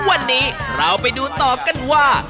วันนี้เราไปดูต่อกันว่า